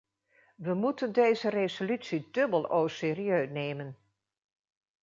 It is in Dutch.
We moeten deze resolutie dubbel au sérieux nemen.